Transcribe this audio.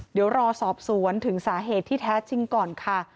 เดี๋ยวรอสอบสวนถึงสาเหตุที่แท้จริงก่อนค่ะ